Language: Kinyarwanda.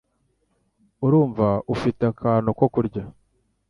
Urumva ufite akantu ko kurya?